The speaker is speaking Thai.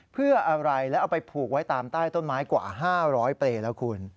เพื่ออะไรแล้วเอาไปผูกไว้ตามใต้ต้นไม้กว่า๕๐๐เปรย์แล้วคุณ